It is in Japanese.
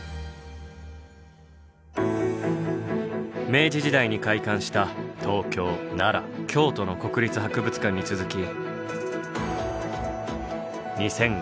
明治時代に開館した東京奈良京都の国立博物館に続き。